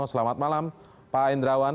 selamat malam pak hendrawan